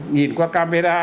nhìn qua camera